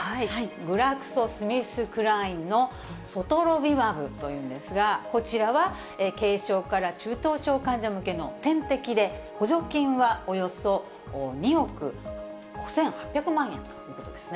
グラクソ・スミスクラインのソトロビマブというんですが、こちらは軽症から中等症患者向けの、点滴で、補助金はおよそ２億５８００万円ということですね。